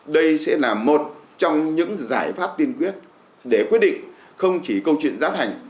đây sẽ là một trong những giải pháp tiên quyết để quyết định không chỉ câu chuyện giá thành